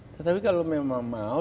tetapi kalau memang mau